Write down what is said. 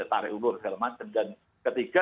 tarik ulur segala macam dan ketiga